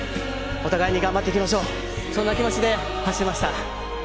お互いに頑張っていきましょう、そんな気持ちで走りました。